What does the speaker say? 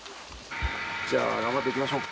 じゃあ頑張っていきましょう。